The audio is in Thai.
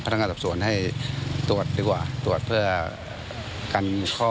นักงานสอบสวนให้ตรวจดีกว่าตรวจเพื่อกันข้อ